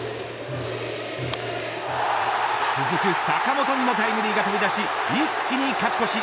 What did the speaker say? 続く坂本にもタイムリーが飛び出し一気に勝ち越し。